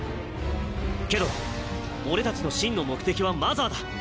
けど俺たちの真の目的はマザーだ。